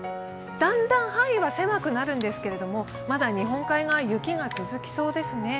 だんだん範囲は狭くなるんですけど、まだ日本海側雪が続きそうですね。